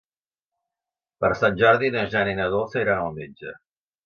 Per Sant Jordi na Jana i na Dolça iran al metge.